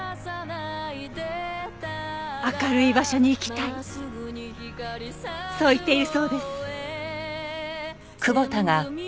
明るい場所に行きたいそう言っているそうです。